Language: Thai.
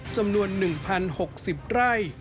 จำนวน๑๐๖๐ไร่